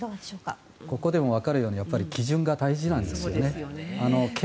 ここでもわかるように基準が大事なんですね。